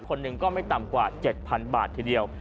คนหนึ่งก็ไม่ต่ำกว่า๗๐๐บาททีเดียว